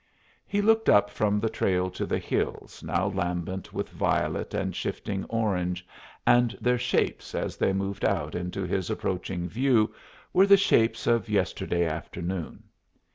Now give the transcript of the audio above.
He looked up from the trail to the hills, now lambent with violet and shifting orange, and their shapes as they moved out into his approaching view were the shapes of yesterday afternoon.